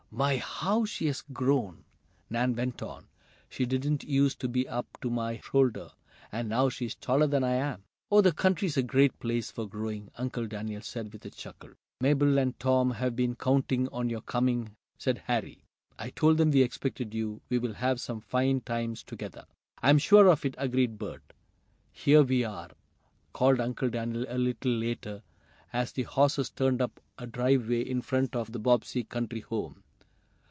"My, how she has grown!" Nan went on. "She didn't use to be up to my shoulder, and now she is taller than I am." "Oh, the country is a great place for growing," Uncle Daniel said, with a chuckle. "Mabel and Tom have been counting on your coming," said Harry. "I told them we expected you. We'll have some fine times together!" "I'm sure of it," agreed Bert. "Here we are!" called Uncle Daniel a little later, as the horses turned up a driveway in front of the Bobbsey country home.